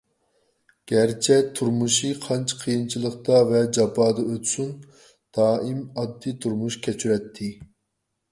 گەرچە تۇرمۇشى قانچە قىيىنچىلىقتا ۋە جاپادا ئۆتسۇن، دائىم ئاددىي تۇرمۇش كەچۈرەتتى.